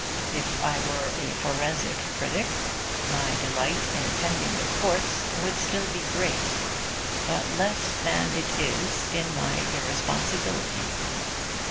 If I were a forensic critic, my delight in attending the courts would still be great; but less than it is in my irresponsibility.